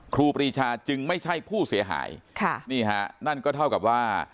ครูปรีชาจึงไม่ใช่ผู้เสียหายค่ะนี่ฮะนั่นก็เท่ากับว่า